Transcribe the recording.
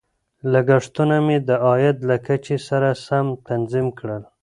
لګښتونه مې د عاید له کچې سره سم تنظیم کړل.